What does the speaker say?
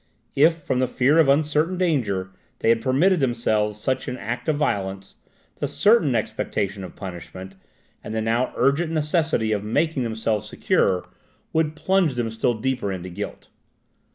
If, from the fear of uncertain danger, they had permitted themselves such an act of violence, the certain expectation of punishment, and the now urgent necessity of making themselves secure, would plunge them still deeper into guilt.